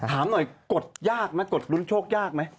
ถามหน่อยกดยากไหมกดลุ้นโชคยากไหม